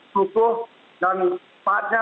tutuh dan paatnya